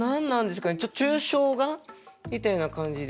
ちょっと抽象画みたいな感じで。